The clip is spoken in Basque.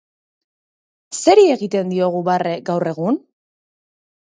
Zeri egiten diogu barre gaur egun?